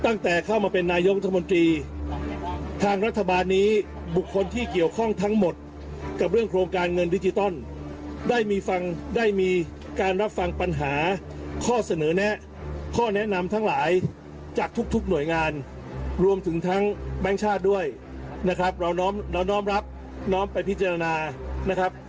นะครับเร้าน้องกรรมรับน้องไปพิจารณานะครับ